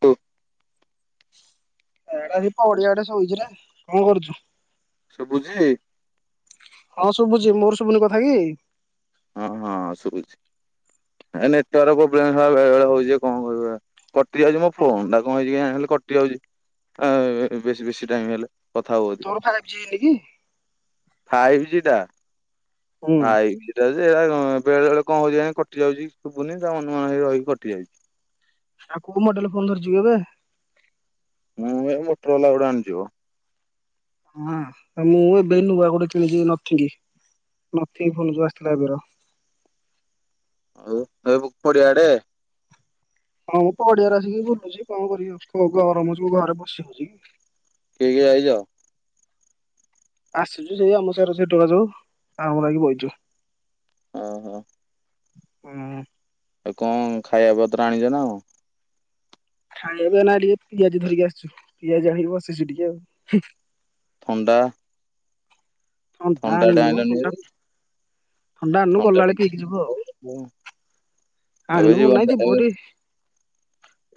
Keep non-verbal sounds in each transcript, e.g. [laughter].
ତୁ। ଏଡା ବି ଶୁଭୁଛି? ପଡିଆଡେ ଶୋଇଛି ନା କଣ କରୁଛୁ। ଶୁଭୁଛି। ହଁ ଶୁଭୁଛି ମୋର ଶୁଭୁନି କଥା କି? ହଁ ହଁ ଶୁଭୁଛି ଏ ନେଟ ୱାକ୍ ପ୍ରବଲେମ୍ ରହୁଛି ବେଳେ ବେଳେ ହଉଛି କଣ କରିବା। କଟି ଯାଉଛି ମୋ ଫୋନଟା କଣ ହେଇଛି କେଜାଣି କଟି ଯାଉଛି। ଆ ବେଶୀ ବେଶୀ ଟାଇମ ହେଲେ କଥା ହଉ। ତୋର ଫାଇଭ୍ ଜି ହେଇ ନି କି? ଫାଇଭ ଜି ଟା ହୁଁ ଫାଇ ଯେ ବେଳେ ବେଳେ କଣ ହଉଛି କଟି ଯାଉଛି ଶୁଭୁନି ତା ମନ ମନ ହେଇ ରହିି କଟିଯାଉଛି। ଆଉ କୋଉ ମଡେଲ ଫୋନ୍ ଧରିଛିି କି ଏବେ। ମୁଁ ଏ ମୋଟରଲା ଗୋଡେ ଆଣିଯିବ। ହଁ ମୁଁ ଏବେ ନୂଆ ଗୋଟେ କିଣିକି ରଖିଲି [unintelligible] ଆସିଥିଲା। [unintelligible] ଆଉ ଏହିବୁ ପଡିଆ ଆଡେ। ହଁ ମୁଁ ପଡିଆରେ ଆସିକି ବୁଲୁଛି କଣ କରିବି [unintelligible] ଗରମ ହେଉଛି ଘରେ ବସି କି। କିଏ କିଏ ଆଇଛ। ଆସିଛୁ ସେଇ ଆମ ସା ସେ ଟକା ସବୁ ଆଇକି ବସିଛୁ। ଓ ହୋ। ହୁଁ। କଣ ଖାଇବା ପତ୍ର ଆଣିଛ ନା କଣ? ଖାଇବେ ନା ଟିକେ ପିଆଜ ଧରିକି ଆସିଛୁ ପିଆଜ ଆଣିକି ବସିଛି ଟିକେ ଆଉ। ଥଣ୍ଡା। ଥଣ୍ଡା ଟେ ଆଣିଲନି ଭାରି [unintelligible] ଥଣ୍ଡା ଆଣିନୁ ଗଲାବେଳେ ପିଇକି ଯିବୁ ଆଉ। ଏବେ ଆଣନ ମୁ ନା ଯିବନି ଯେ ବରି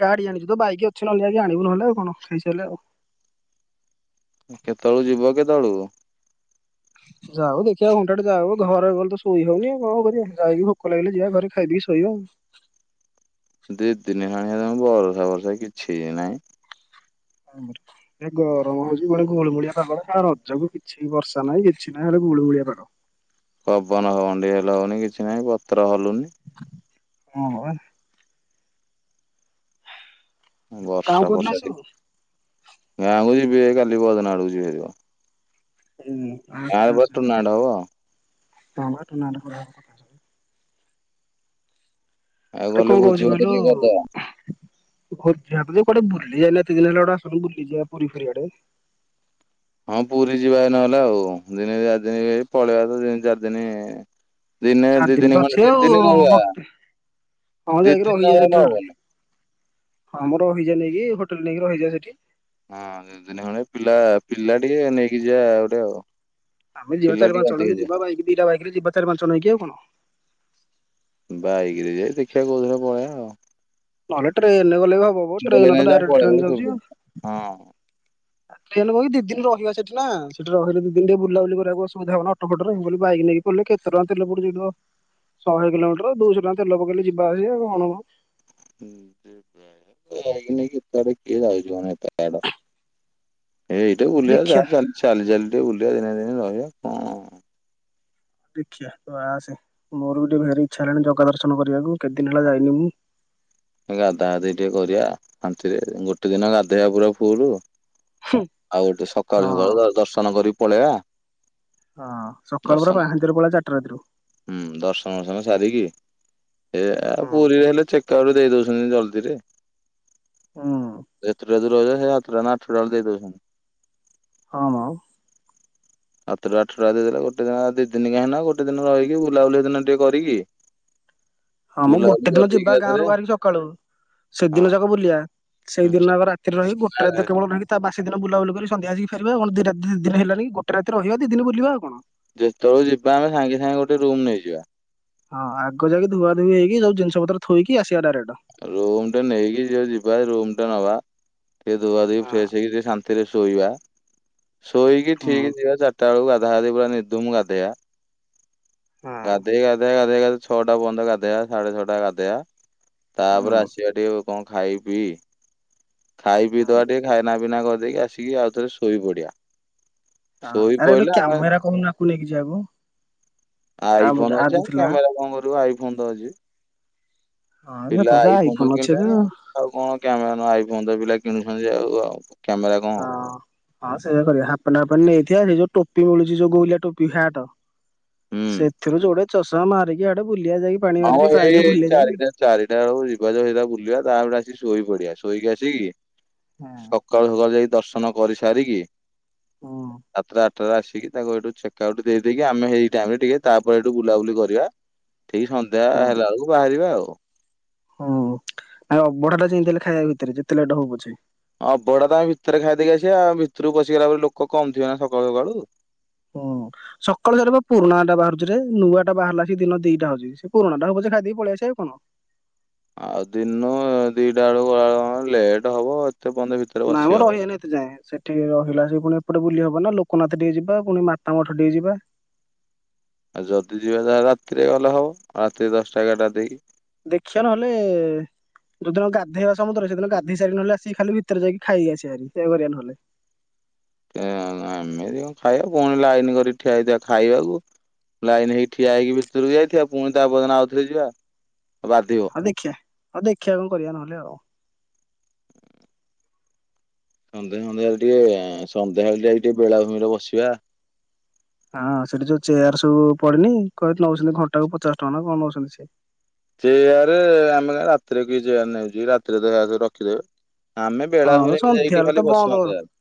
ଗାଡି ଆଣିଚୁ ତ ବାଇକ୍ ଅଛି ନହେଲେ ଯାଇ ଆଣିବୁ ନହେଲେ ଆଉ କଣ ଖାଇସାରିଲେ ଆଉ। କେତେବେଳୁ ଯିବ କେତେବେଳୁକୁ? ଯାଉ ଦେଖିବା ଘଣ୍ଟା ଟେ ଯାଉ ଘର ଗଲେ ତ ଶୋଇ ହଉନି ଆଉ କଣ କରିବା ଯାଇକି ଭୋକ ଲାଗିଲେ ଯିବା ଘରେ ଖାଇ ପିଇ ଶୋଇବା ଆଉ। ଦିଦିନି ଖାଣି ହେ ତମ ବର୍ଷା ବର୍ଷା କିଛି ନାଇଁ। ହ ମୂର୍ଖ। ଏ ଗରମ ହଉଚି ଗୋଟେ ଗୋଳୁମୁଳିଆ ପାଗ ନା ରଜକୁ କିଛି ବର୍ଷା ନାହିଁ କିଛି ନାହିଁ ହେଲେ ଗୁଳିଗୁଳିଆ ପାଗ। ପବନ ହଉନି ହେଲ ହଉନି କିଛି ନାହିଁ ପତ୍ର ହଲୁନି। ହଁ ହଁ ବା। କାମ ବର୍ଷା କୋଉଦିନ ଫର୍ଷା ଆସିବୁ ଟିକ୍ ହୁଁ ଗାଁକୁ ଯିବି ଯାଇ କାଲି ପଦିନ ଆଡକୁ ଯିବି ଯିବ। ହୁଁ ଆ ସେଟା ଆସ ଟୁର୍ଣ୍ଣାମେଣ୍ଟ ହବ। [unintelligible] ଆଉ ଆରେ ଗଲେ କଣ ଭୋଜି କହୁଛି ଭାତ କହିଲୁ? ଟିକେ କରିଦବା [unintelligible] ଆସୁନୁ ବୁଲିଯିବା ପୁରୀ ଫୁରିଆଡେ। ହଁ ପୁରୀ ଯିବା ନହେଲେ ଆଉ ଦିନ ଚାରି ଦିନ ପଳେଇବା ତ ଦି ଚାରି ଦିନି। ଦିନେ ଚାରି ଦି ଦିନ ତ ଦିନି ଅଛି ଖଣ୍ଡେ ଦି ଆଉ ଦିନି ରହିବା। ଗୋଟେ ହଁ ଦି ଯାଇକି ଦିନ ନ ହେଲେ ହବନି। ହଁମର ରଇଯାଇକି ହୋଟେଲ ନେଇକି ରହିଯିବା ସେଠି। ହଁ ଦି ଦିନି ଖଣ୍ଡେ ପିଲା ପିଲା ଟିକେ ନେଇକି ଯିବା ଗୋଟେ ଆଉ। ଆମେ ଯିବା ପିଲା ଚାରି ଟିକେ ପାଞ୍ଚ ଅଧିକ ଜଣକ ଯିବା ବାଇକ୍ ଦିଟା ବାଇକ୍ ରେ ଯିବା ଚାର ପାଞ୍ଚ ଜଣ ହେଇକି ଆଉ କଣ। ବାଇକ ରେ ଯାଇ ଦେଖିବା କଉଦିନ ପଳେଇଆ ଆଉ। ନହଲେ ଟ୍ରେନ୍ ରେ ଗଲେ ବି ହବ। ମ ଟ୍ରେନ ତ ଡାଇରେକ୍ଟ ଟ୍ରେନ [unintelligible] ଯାଉଛି ଆଉ। ହଁ। ଟ୍ରେନ ଦି ଦିନ ରହିବା ସେଠି ନା ଦି ଦିନ ଟିକେ ବୁଲବୁଲି କରିବାକୁ ଅସୁବିଧା ହବ ନା ଅଟୋ ଫୋଟ ରେ ମୁଁ କଇଲି ବାଇକ୍ କୋଇଲେ କେତେ ଟଙ୍କା ତେଲ ପଡଛିିବ ଶହେ କିଲୋମିଟର ଦୁଇଶହ ଟଙ୍କା ତେଲ ପକେଇଲେ ଯିବା ଆସଉ କଣ ମ। [unintelligible] ଏ ଏଇଟା ବୁଲିବା ଦେଖିଆ ଯାହା ଚାଲି ଚାଲି ଟେ ବୁଲିବା ଦିନେ ଦିନେ ରହିବା କଣ। ଦେଖିବା ଆସ ମୋର ବି ଟିକେ ଭାରି ଇଚ୍ଛା ହେଲାଣି ଜଗା ଦର୍ଶନ କରିବାକୁ କେତେ ଦିନ ହେଲା ଯାଇନି ମୁଁ। ଗା ଧା ଗା ଧା ଦି ଟିକେ କରିବା ଶାନ୍ତିରେ ଗୋଟେ ଦିନ ଗାଧୋଇବା ପୁରା ଫୁଲ୍। ଆଉ ଗୋଟେ ହଁ। ସକାଳୁ ସକାଳୁ ଦର୍ଶନ କରିକି ପଳେଇବା ହଁ ସଖାଳୁ ପୁରା ଦର୍ଶନ ପାହାନ୍ତି ରୁ ପଳେଇବା ଚାରିଟା ରାତିରୁ। ହୁଁ ଦର୍ଶନ ଦର୍ଶନ ସାରିକି ଏ ଏ ଆଉ ହୁଁ ପୁରୀରେ ହେଲେ ଚେକ୍ [unintelligible] ଦେଇ ଦଉଛନ୍ତି ଜଲଦିରେ [unintelligible] ରଜ ସେ ସାତଟ ନା ଆଠ ଟଡର ଦେଇଦଉଚନ୍ତି। ହଁ ହଁ। ସାତଟା ଆଠଟା ଦେଇଦେ ଗଟେ ଦିନ ଦି ଦିନ କାହିଁକ ନା ଗୋଟେ ଦିନ ରହିକି ବୁଲାବୁଲି ଦିନ ଟିକେ କରିକି ହଁ ମୁଁ ବୁଲାବୁଲି ଗୋଟେ ଦିନ କରିଦେଇକି ଯିବା ଗାଁରୁ ଏକାଥରେ ବାହାରିକି ସକାଳୁ ସେଦିନ ଯାକ ବୁଲିବା ସେଇଦିନ ଆକ ରାତିରେ ରହି ଗୋଟେ ହଁ ରାତିକେବଳ ରହି ତା ବାସି ଦିନ ବୁଲାବୁଲି କରିକି ସନ୍ଧ୍ୟା ଆସିକି ଫେରିବା ଆଉ କଣ ଦତି ଦି ଦିନ ହେଲାଣି ଗଟେ ରାତି ରହିବା ଦି ଦିନ ବୁଲିବା ଆଉ କଣ। ଯେତେବେଳେ ଯିବା ଆମେ ସାଙ୍ଗେ ସାଙ୍ଗେ ଗୋଟେ ରୁମ୍ ନେଇଯିବା। ହଁ ଆଗ ଯାକି ଧୁଆ ଧୁଇ ହେଇକି ସବୁ ଜିନିଷ ପତର ଥୋଇକି ଆସିବା ଡାଇରେକ୍ଟ। ରୁମ ଟେ ନେଇକି ଯି ଯିବା ରୁମ ଟା ନବା ଟିକେ ଧୁଆ ଧୁଇ ହୁଁ। ଫ୍ରେଶ ହେଇକି ଟିକେ ଶାନ୍ତିରେ ଶୋଇବା ଶୋଇକି ହୁଁ ଠିକି ଯିବା ଚାରିଟା ବେଳକୁ ଗାଧାଆ ପୁରା ନିଧୁମ୍ ଗାଧେଇବା। ହୁଁ। ଗାଧ ଗାଦ ଗା ଛୋଟା ବନ୍ଦ ଗାଦ ଆ ସାଟା ଛୋଟା ଗାଦ ଆ। ତାପରେ ଆସିବା ଟିକେ କଣ ଖାଇ ପିଇ, ଖାଇ ପିଇ ହଁ ଦବା ଟିକେ ଖାଇନା ପିନା କରିଦେଇକି ଆସିକି ଆଉ ଥରେ ଶୋଇ ପଡିଆ। ହଁ ଆରେ ଗୋଟେ କ୍ୟାମେରା କହୁନୁ ଆକୁ ନେଇକି ଯିବାକୁ। ଆଇ ଆଉ ଫୋନ୍ ଆର ଅଛି ଯୋଉ ଆଉ ଥିଲା କ୍ୟାମେରା କଣ କରିବୁ, ଆଇ ଫୋନ ତ ଅଛି ହଁ ପିଲା ତୋର ତ ଆଇଫୋନ ଅଛି ଏବେ କିଣିଲେଣି। ଆଉ କଣ କ୍ୟାମେରା ଆଇଫୋନ ପିଲା କିଣୁଛନ୍ତି ତ ଆଉ ଆଉ କ୍ୟାମେରା କଣ ହଁ ହଁ ସେଇଆ କରିବା ହାପ ପ୍ୟାଣ୍ଟ ନେଇଥିବା ସେ ଯୋଉ ଟ ଟୋପି ମିଳୁଛି ଯୋଉ ଗୋଲିଆ ଟୋପି ହାଟ, ହୁଁ ସେଥିରୁ ଯୋଡେ ଚଷମା ମାରିକିଆଡେ ବୁଲିବା ଯାଇକି ପାଣି ହଁ ମାରିକି ପାଣିରେ ଏଇ ଭୁଲେଇ ଦେଵି। ଚାରିଟା ଚାରିଟା ବେଳକୁ ଯିବା ଯ ସେଇଟା ବୁଲିବା ତାପରେ ଆସିକି ଶୋଇ ପଡିବା ଶୋଇକି ଆସିକି ହଁ ସକାଳୁ ସକାଳୁ ଯାଇ ଦର୍ଶନ କରି ସାରିକି ହୁଁ ସାତା ଆଠ ଟା ଆସିକି ତାକୁ ଏଠୁ ଚେକ ଆଉଟ ଦେଇକି ଆମେ ହେଇ ଟାଇମ ଟିକେ ତାପରେ ଏଇଠୁ ବୁଲାବୁଲି କରିବା ଠିକ ସନ୍ଧ୍ୟା ହୁଁ। ହେଲା ବେଳକୁ ବାହାରିବା ଆଉ ହୁଁ ଆ ଅବଢା ଟା ଯେମିତି ହେଲେ ଖାଇବା ଭିତରେ ଯେତେଲେଟ ହେଉ ପଛେ। ଅବଢଡା ତ ଆମେ ଭିତରେ ଖାଇଦେଇକି ଆସିବା ଆଉ ଭିତରକୁ ପଶିଗଲା ପରେ ଲୋକ କମ ଥିବେ ନା ସକାଳୁ ସକାଳୁ ହଁ ସକାଳୁ ସର ପୁରୁଣା ଟା ବାହାରୁଛିରେ ନୂଆ ଟା ବାହାରିଲା ସେ ଦିଟା ହଉଛି ସେ ପରୁଣା ଟା ହଉ ପଛେ ଖାଇଦେଇକି ପଳେଇ ଆସିଵା କି କଣ! ଆଉ ଦିନ ଦିଟା ବେଳକୁ ଗଲା ବେଳେ କ ଲେଟ ହବ ଏତେ ବନ୍ଦ ଭିତରେ ନାଇଁ ବସି ମ ହବ। ରହିଵାନାଇଁ। କେତେ ଯାଏ ସେଠି ରହିଲା ସେ ପୁଣି ଏପଟେ ବୁଲି ହବ ନା ଲୋକନାଥ ଟିକେ ଯିବା ପୁଣି ମାତା ମଠ ଟିକେ ଯିବା। ଆଉ ଯଦି ଯିବା ଯାହାରାତିରେ ଗଲେ ହବ ରାତିରେ ଦଶଟା ଏଗାରଟା ଦେଇକି ଦେଖିଆ ନହେଲେ ଯୋଦିନ ଗାଧୋଇବା ସମୁଦ୍ରରେ ସେଦିନ ଗାଧୋଇ ସାରି ନହଲେ ଆସି ଖାଲି ଭିତରେ ଯାଇକି ଖାଇ ଆସିଵା ବାହାରି ନହଲେ ଆମେ ଏମିତି କଣ ଖାଇବା ପୁଣି ଲାଇନ କରି ଠିଆ ହେଇଥିବା ଖାଇବାକୁ ଲାଇନ୍ ହେଇକି ଠିଆ ହେଇକି ଭିତରକୁ ଯାଇଥିବା ପୁଣି ତା ପରଦିନ ଆଉଥରେ ଯିବା ବାଧିବ। ଦେଖିଆ ଆଉ ଦେଖିବା କଣ କରିବା ନହେଲେ ଆଉ! ସନ୍ଧ୍ୟା ସନ୍ଧ୍ୟାବେଳେ ଟିକେ ସନ୍ଧ୍ୟାବେଳେ ଯାଇକି ଟିକେ ବେଳାଭୂମି ରେ ବସିବା। ହଁ ସେଠି ଯୋଉ ଚେୟାର ସବୁ ପଡ଼ିନି କହି ନେଉଛନ୍ତି ଘଣ୍ଟା କ ପଚାଶ ଟଙ୍କା ନା କଣ ନଉଛନ୍ତି ସେ ଚେଆରେ ଆମେ କା ରାତିରେ କି ଚେୟାର ନେଉଛ ରାତିରେ ଦେ ରଖିଦେବେ। ଆମେ ହଁ ବେଳାଭୂମିରେ ଯାଇକି ସନ୍ଧ୍ୟା ଟିକେ ହେଲେ ତ ଖାଲି ବନ୍ଦ ବସୁଆନ୍ତୁ ଆଉ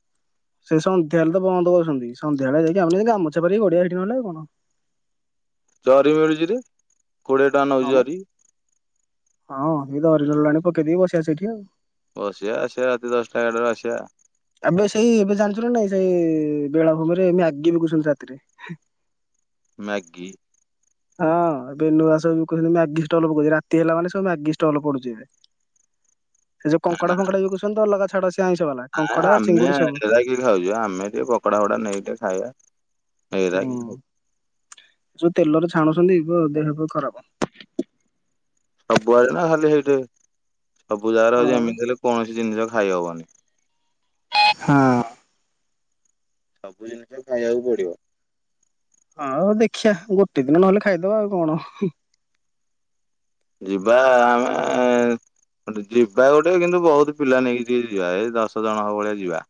ସେ ସନ୍ଧ୍ୟାବେଳେ ତ ବନ୍ଦ କରୁଛନ୍ତି ସନ୍ଧ୍ୟାବେଳେ ଯାଇକି ଆମେ ଗାମଛା ପାାରିକିଗଡିଆ ହେଇଠି ନହେଲେଉ କଣ ଜରି ମିଳୁଛି କିରେ କୋଡିଏ ଟଙ୍କା ହଁ ନେଉଛି ମ ଜରି? ହଁ ତ ଦରି ଆଣିଲାଣି ପକେଇଦେଇକି ବସିବା ସେଇଠି ଆଉ ବସିବା ଆସିଵା ରାତି ଦଶଟା ଏଗାରଟା ବେଳ କୁ ଆସିବା। ଏବେ ସେଇ ଏବେ ଜାଣିଛୁ ନା ନାଇଁ ସେଇ ବେଳାଭୂମି ରେ ଏମ ଆଗେ ବିକୂଛନ୍ତି ରାତିରେ। ହଁ। ମ୍ୟାଗି! ହଁ ଏବେ ନୁଆ ସବୁ କହିଲେଣି ମାଗିଷ୍ଟାଲ ପକେଇବାକୁ ରାତି ହେଲା ମାନେ ସବୁ ମଗିଷ୍ଟଲ ପଡୁଛି ଏବେ ଯୋଉ କଙ୍କଡା ଫଙ୍କଡା ବିକୁଛନ୍ତି ତ ଅଲଗା ଛାଡ ସେ ଆଇଁଷ ବାଲା। ଆଁ କଙ୍କଡା ଆମେ ଚିଙ୍ଗୁଡି ସବୁ ସେଲା କି ଖାଉଛ ଆମେ ଟିକେ ପକଡା ଫକଡା ନେଇିକି ଟିକେ ଖାଇବା ହେଇରା କିଏ ଖାଉଛି? ହୁଁ। ଯୋଉ ତେଲରେ ଛାଣୁଛନ୍ତି ଦେହ ପେହ ଖରାପ। ସବୁଆଡେ ନା ଖାଲି ସେଇଠି ସବୁ ଜାଗାରେ ହଁ ହଉଛି ହଁ। ଏମିତି ହେଲେ କୌଣସି ଜିନିଷ ଖାଇ ହବନି। ହଁ। ସବୁ ଜିନିଷ ଖାଇବାକୁ ପଡିବ। ଆଉ ଦେଖିବା ଆଉ ଗୋଟେ ଦିନ ନହେଲେ ଖାଇଦବା ଆଉ କଣ! ଯିବା ଆମେ ଗୋଟେ ଯିବା ଗୋଟେ କିନ୍ତୁ ବହୁତ ପିଲା ନେଇକି ଯି ଯିବା ଏଇ ଦଶ ଜଣ ହବ ଭଳିଆ ଯିବା।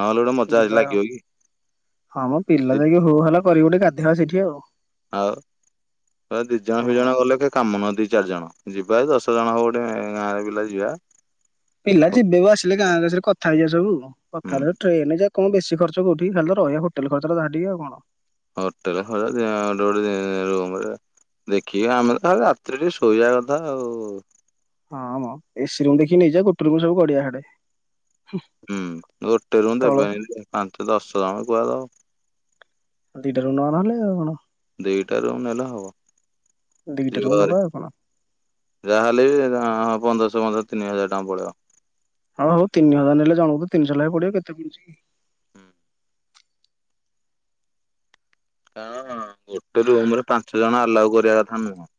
ନହେଲେ ଗୋଟେ ମଜା ଆଜି ଯିବା ଆଉ। ଲାଗିବ କି? ହଁ ମୋ ପିଲା ଯାଇକି ହୋ ହଲା କରିକି ଗୋଟୋ ଗାଧେଇବା ସେଠି ଆଉ। ହଉ। ଦି ଜଣ ଦି ହଁ। ଜଣ ଗଲେ କି କାମ ନୁହଁ ଦି ଚାରି ଜଣ ଯିବା ଦଶ ଜଣ ହଉ ଗୋଟେ ଗାଁର ପିଲା ଯିବା। ପିଲା ଯିବେ ବା ଆସିଲେ ଗାଁରେ କଥା ହେଇଯିବା ସବୁ ହୁଁ କଥା ହେ ଟ୍ରେନ କଣ ବେଶୀ ଖର୍ଚ୍ଚ କୋଉଠି ଖାଲି ତ ରହିବା ହୋଟଲ ଖର୍ଚ୍ଚଟା ଯାହା ଟିକେ ଆଉ କଣ। ହୋଟେଲ [unintelligible] ରୁମରେ। ଦେଖିବା ଆମେ ତ ରାତି ଟିକେ ଶୋଇବା କଥା ଆଉ। ହଁଁ ମ ଏସି ରୁମ ଦେଖି ନେଇଯିବା ଗୋଟେ ରୁମରେ ସବୁ ଗଡିଵା ହେଟେ। ହୁଁ ଗୋଟେ ରୁମ ତଳ ଦେବେ ପାଞ୍ଚ ଦଶ ଜଣ କୁଅଡେ ହେବ। ଡିଟା ରୁମ୍ ନେବା ନହେଲେ ଆଉ କଣ? ଦିଟା ରୁମ୍ ନେଲେ ହବ ଦିଟା ରୁମ ଯିବା ନବା ଆଉ କଣ ଯାହାହେଲେ ବି ପନ୍ଦରଶହ ପନ୍ଦରଶହ ତିନି ହଜାର ଟଙ୍କା ପଳେଇବ। ହଉ ହଉ ତିନିହଜାର ନେଲେ ଜଣକୁ ତିନିଶହ ଲେଖା ପଡିବ କେତେ ପଡୁଛି କି। କାରଣ ଗୋଟେ ରୁମରେ ପାଞ୍ଚ ଜଣ ଆଲାଉ କରିବା କଥା ନୁହଁ।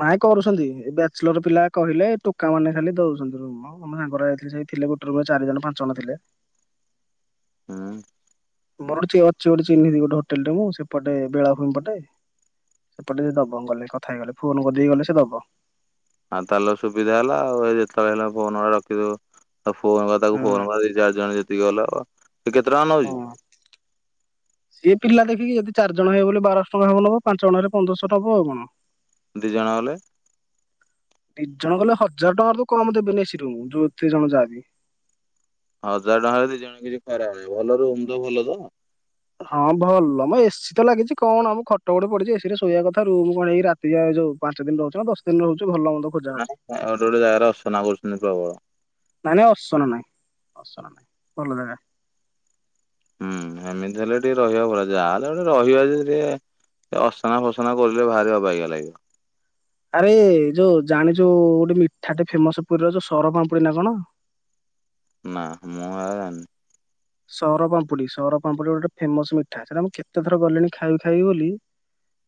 ନାଇ କରୁଛନ୍ତି ଏ ବ୍ୟାଚଲର ପିଲା କହିଲେ ଟୋକା ମାନେ ଖାଲି ଦଉଛନ୍ତି। ହଁ ଆମ ସାଙ୍ଗରା ଯାଇଥିଲେ ସେ ଥିଲେ ଗୋଟେ ରୁମରେ ଚାରି ଜଣ ପାଞ୍ଚ ଜଣ ଥିଲେ। ହୁଁ। ମୋର ଅଛି ଗୋଟ ଚହ୍ନିଚି ଗୋତେ ହୋଟେଲ ଟେ ମୁଁ ସେପଟେ ବେଳା ଭୂମି ପଟେ। ସେପଟେ ସେ ଦବ ଗଲେ କଥା ହେଇଗଲେ ଫୋନ କରିଦେଇ ଗଲେ ସେ ଦବ। ଆ ତାହେଲେ ସୁବିଧା ହେଲା ଆଉ ଏ ଯେତେବେଳେ ହେଲେ ଫୋନ ମାରି ରଖିଦବୁ। ଆଉ ଫୋନ ତାକୁ ହୁଁ ଫୋନ କରିଦେଇ ଚାରି ଜଣ ଯେତିକି ଗଲା ସେ କେତେ ଟଙ୍କା ନେଉଛି? ହୁଁ ସିଏ ପିଲା ଦେଖିକି ଯଦି ଚାରିଜଣ ହେବ ବୋଲେ ବାରଶହ ଟଙ୍କା ନବ ପାଞ୍ଚ ଜଣ ହେଲେ ପନ୍ଦରଶହ ନବ ଆଉ କଣ। ଦୁଇ ଜଣ ଗଲେ? ଦି ଜଣ ଗଲେ ହଜାର ଟଙ୍କାରୁ ତ କମ ଦେବେନି ଏସି ରୁମ୍ ଯେତେ ଜଣ ଯାହା ବି। ହଜାର ଟଙ୍କାରେ ଦି ଜଣ କିଛି ଖରାପ ନାହିଁ। ଭଲ ରୁମ୍ ତ ଭଲ ତ? ହଁ ଭଲ ମ ଏସିି ତ ଲାଗିଛି କଣ ଆ ମୁଁ ଖଟ ଗୋଟେ ପଡିଛି ଏସିିରେ ଶୋଇବା କଥା ରହୁ ମୁଁ କଣ ହେକି ଟିକ ଏ ଯୋଉ ପାଞ୍ଚ ଦିନ ରହୁଛି ନା ଦଶ ଦିନ ରହୁଛି ଭଲ ମନ୍ଦ। ଖୋଜା ହଉଛି ଗୋଟେ ଗୋଟେ ଜାଗାରେ ଅସନା କରୁଛନ୍ତି ପ୍ରବଳ। ନାଇଁ ନାଇଁ ଅସନା ନାଇଁ ଅସନା ନାହିଁ ଭଲ ଜାଗା। ହୁଁ ଏମିତି ହେଲେ ଟିକେ ରହିବା [unintelligible] ଯାହାହଲେ ରହିବା ଯେ ଟିକେ ଅସନା ଫସନା କରିଲେ ଭାର ଅବାଗିଆ ଲାଗିବ। ଆରେ ଯୋଉ ଜାଣି ଯୋଉ ଗୋଟେ ମିଠାଟେ ଫେମସ ପୁରୀର ଯୋଉ ସର ପାମ୍ପୁଡ଼ି ପୁରୀ ନା କଣ? ନା ମୁଁ ହେରା ଜାଣିନି। ସର ପାମ୍ପୁଡ଼ି ସର ପାମ୍ପୁଡି ଗୋଟେ ଫେମସ ମିଠା ସେଇଟା ମୁଁ କେତେଥର ଗଲିଣି ଖାଇବି ଖାଇ ବୋଲି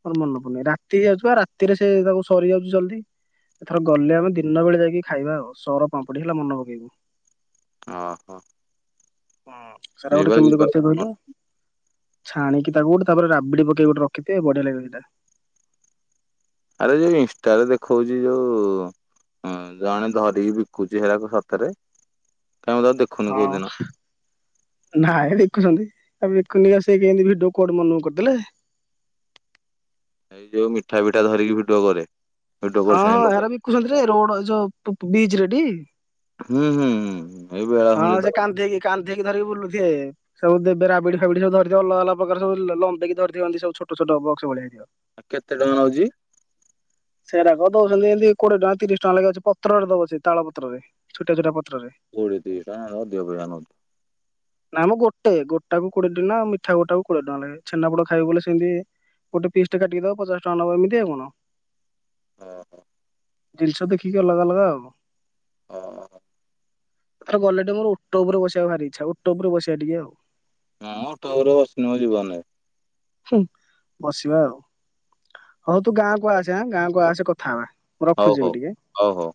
ମୋର ମନେ ପଡୁନି ରାତି ହେଇଯାଉଛି ଆ ରାତିରେ ସେ ତାକୁ ସରି ଯାଉଛି ଜଲଦି। ଏଥର ଗଲେ ଆମେ ଦିନ ବେଳେ ଯାଇକି ଖାଇବା ଆଉ ସର ପାମ୍ପଡି ହେଲା ମନ ପକେଇବୁ। ଓହୋ। ହୁଁ ସେଟା ଗୋଟେ ଯିବା କେମିତି ଯିବା। କରିଥିବେ କହିଲୁ? ଛଣିକି ତାକୁ ତାପରେ ରାବିଡି ପକେଇ ଗୋଟେ ରଖି ଥିବେ ବଢିଆ ଲାଗେ ସେଟା। ଆରେ ଯୋଉ ଇନଷ୍ଟାରେ ଦେଖଉଛି ଯୋଉ ହଁ ଜଣେ ଧରିକି ବିକୁଛି ହେରାକୁ ସତରେ କାହିଁ ମୁଁ ତା ଦେଖୁ ହଁ। ନାଇଁ ବିକୁଚନ୍ତି ଆ ବିକୁନି ଆ ସେ କେମତି ଭିଡ଼ିଓ କୁଆଡୁ ମନୁକୁ କରିଦଲେ। ଏଇ ଯୋଉ ମିଠା ଫିଠା ଧରିକି ଭିଡିଓ କରେ। ଭିଡିଓ ହଁ କରୁଛନ୍ତି ହଁ ଲୋକ ଏହାର ବିକୁଛନ୍ତି ରେ ରୋଡ ଯୋଉ ବିଚ ରେ ଟି? ହୁଁ ହୁଁ ହୁଁ ହୁଁ। ହଁ ସେ କାନ୍ଦେଇକି କାନ୍ଦେଇକି ଧରିକି ବୁଲୁଥିବେ। ସବୁ ଦେବେ ରାବିଡି ଫାବିଡି ସବୁ ଧରିଥିବ ଅଲଗା ଅଲଗା ପ୍ରକାର ସବୁ ଲମ୍ବେଇକି ଧରିଥିଅନ୍ତି ସବୁ ଛୋଟ ଛୋଟ ବକ୍ସ ଭଳିହା ହେଇଥିବ। ଆ କେତେ ଟଙ୍କା ନଉଚି? ସେରାକ ଦଉଚନ୍ତି ଏମିତି କୋଡିଏ ଟଙ୍କା ତିରିଶ ଟଙ୍କା ଲାଗି ଅଛି ପତ୍ରରେ ଦବ ସେ ତାଳପତ୍ରରେ ଛୋଟିଆ ଛୋଟିଆ ପତ୍ରରେ। କୋଡ଼ିଏ ତିରିଶି ଟଙ୍କା ଏରା ଅଧିକ କୋଡିଏ ଟଙ୍କା ନୋଉଥିବ। ନାମ ଗୋଟେ ଗୋଟାକୁ କୋଡିଏ ଟଙ୍କା ନା ମିଠା ଗୋଟାକୁ କୋଡିଏ ଟଙ୍କା ନେବେ ଛେନାପୋଡ ଖାଇବୁ ବଲେ ସିନ୍ତି। ଗୋଟେ ପିସ୍ ଟେ କାଟିକି ଦବ ପଚାଶ ଟଙ୍କା ନବ ଏମତି ଆଉ କଣ। ହଁ ହଁ। ଜିନିଷ ଦେଖିକି ଅଲଗା ଅଲଗା ଆଉ। ଅ ଅ ଅ। ତଥର ଗଲେ ଟିକେ ମୋର ଓଟୋ ଉପରେ ବସିବାକୁ ଭାରି ଇଛା ଓଟୋ ଉପରେ ବସିବା ଟିକେ ଆଉ। ମୁଁ ଓଟୋ ଉପରେ ବସିନି ମୋ ଜୀବନରେ। ହୁଁ ବସିବା ଆଉ ହଉ ତୁ ଗାଁକୁ ଆସେ ଗାଁକୁ ଆସେ କଥା ହବା। ମୁଁ ହଉ ରଖୁଛି ହଉ ଏବେ ଟିକେ। ହଉ ହଉ।